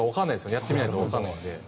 やってみないとわからないので。